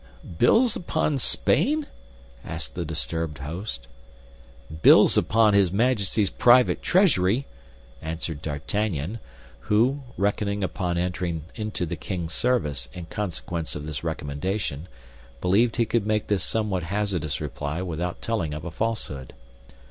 "Bills upon Spain?" asked the disturbed host. "Bills upon his Majesty's private treasury," answered D'Artagnan, who, reckoning upon entering into the king's service in consequence of this recommendation, believed he could make this somewhat hazardous reply without telling of a falsehood.